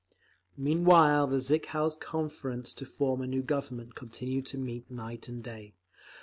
Meanwhile the Vikzhel's Conference to Form a New Government continued to meet night and day.